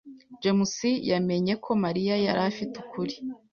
Jemusi yamenye ko Mariya yari afite ukuri.